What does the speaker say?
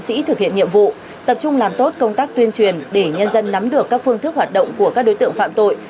chiến sĩ thực hiện nhiệm vụ tập trung làm tốt công tác tuyên truyền để nhân dân nắm được các phương thức hoạt động của các đối tượng phạm tội